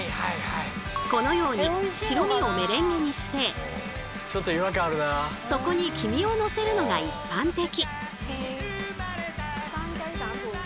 このように白身をメレンゲにしてそこに黄身をのせるのが一般的。